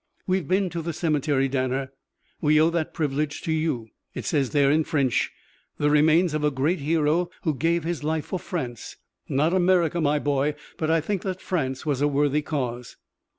"We've been to the cemetery, Danner. We owe that privilege to you. It says there, in French: 'The remains of a great hero who gave his life for France.' Not America, my boy; but I think that France was a worthy cause."